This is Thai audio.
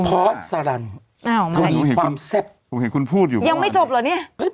พอร์ตซาดันทำให้ความแซ่บยังไม่จบเหรอเนี่ย